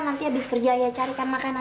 nanti abis kerja ayah carikan makanannya